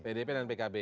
pdp dan pkb